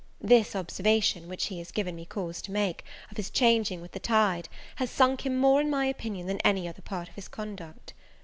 This observation, which he has given me cause to make, of his changing with the tide, has sunk him more in my opinion than any other part of his conduct.